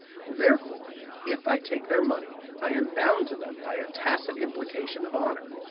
Therefore, if I take their money, I am bound to them by a tacit implication of honor.